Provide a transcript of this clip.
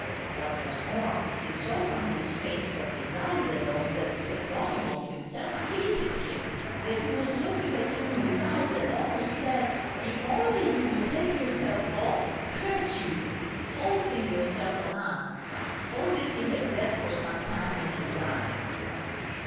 What was more, he saw from his face, from his eyes alone, that Pseldonimov himself hated him, that he was looking at him with eyes that almost said: "If only you would take yourself off, curse you! Foisting yourself on us!" All this he had read for some time in his eyes.